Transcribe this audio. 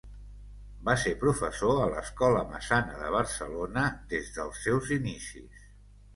Va ser professor a l'Escola Massana de Barcelona des dels seus inicis.